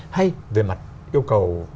hay về mặt yêu cầu